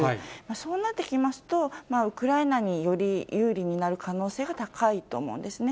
そうなってきますと、ウクライナにより有利になる可能性が高いと思うんですね。